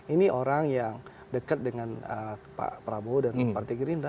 ini orang yang dekat dengan pak prabowo dan partai gerindra